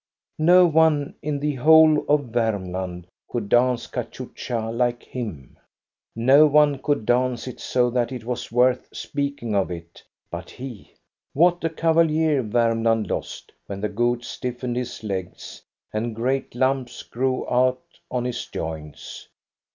No one in the whole of Varmland could dance cachucha like him. No one could dance it so that it was worth speaking of it, but he. What a cavalier Viirmland lost when the gout stiffened his legs and great lumps grew out on his joints